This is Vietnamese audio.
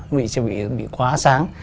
nó bị quá sáng